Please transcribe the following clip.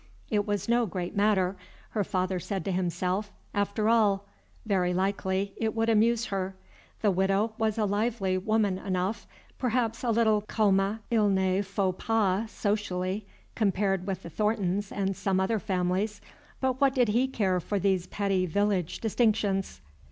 It was no great matter, her father said to himself, after all; very likely it would amuse her; the Widow was a lively woman enough, perhaps a little comme il ne faut pas socially, compared with the Thorntons and some other families; but what did he care for these petty village distinctions?